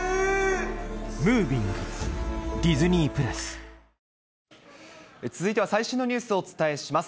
浅続いては最新のニュースをお伝えします。